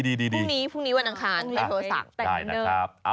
พรุ่งนี้วันอังคารโทรสั่งแต่งเนิ่มนะครับโอ้โฮ